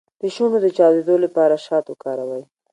د شونډو د چاودیدو لپاره شات وکاروئ